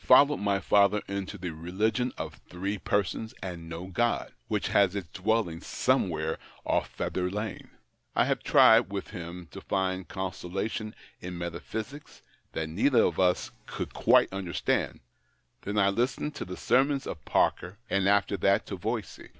75 followed my father into the religion of ' three persons and no God,' which has its dwelling somewhere off Fetter Lane ; I have tried witli him to find consolation in metaphysics that neither of us could quite understand ; then I listened to the sermons of Parker, and after that to Voysey.